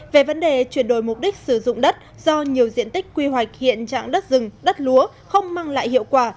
về vấn đề chuyển đổi mục đích sử dụng đất do nhiều diện tích quy hoạch hiện trạng đất rừng đất lúa không mang lại hiệu quả